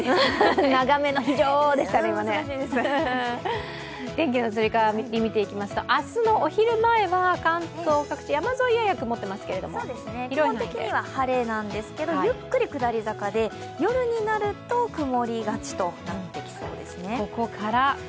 各地の天気をみていきますと明日のお昼前は関東各地、山沿いはやや曇っていますが、基本的には晴れなんですけどゆっくり下り坂で夜になると曇りがちとなってきそうですね。